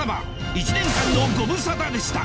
１年間のご無沙汰でした！